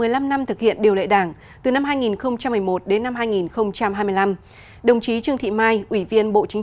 một mươi năm năm thực hiện điều lệ đảng từ năm hai nghìn một mươi một đến năm hai nghìn hai mươi năm đồng chí trương thị mai ủy viên bộ chính